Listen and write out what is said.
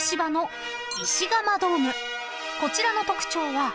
［こちらの特徴は］